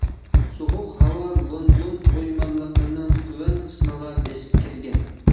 سوغۇق ھاۋا لوندون ئويمانلىقىنىڭ تۆۋەن قىسمىغا بېسىپ كىرگەن.